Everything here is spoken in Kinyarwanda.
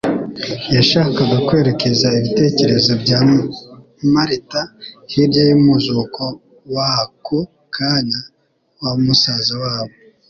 Yashakaga kwerekeza ibitekerezo bya Marita hirya y'umuzuko w'ako kanya wa musaza wabo,